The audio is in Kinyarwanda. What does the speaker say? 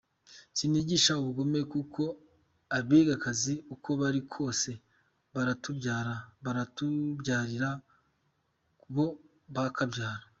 Sinigisha ubugome kuko abegakazi uko bari kose baratubyara, baratubyarira bo kabyara!